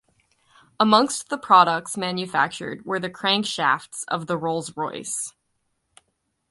Amongst the products manufactured were the crankshafts of the Rolls Royce.